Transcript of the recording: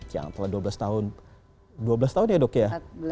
yang telah dua belas tahun dua belas tahun ya dok ya